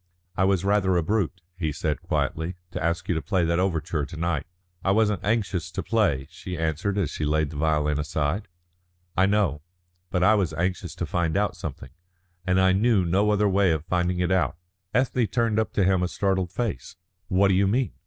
"I was rather a brute," he said quietly, "to ask you to play that overture to night." "I wasn't anxious to play," she answered as she laid the violin aside. "I know. But I was anxious to find out something, and I knew no other way of finding it out." Ethne turned up to him a startled face. "What do you mean?"